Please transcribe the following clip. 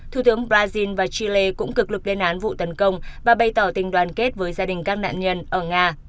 thủ tướng brazil và chile cũng cực lực lên án vụ tấn công và bày tỏ tình đoàn kết với gia đình các nạn nhân ở nga